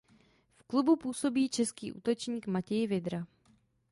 V klubu působí český útočník Matěj Vydra.